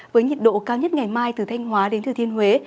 với nhiệt độ cao nhất ngày mai từ thanh hóa đến thừa thiên huế